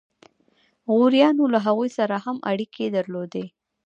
غوریانو له هغوی سره هم اړیکې درلودې.